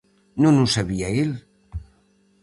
Non o sabía el?